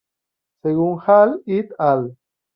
Según Hall et al.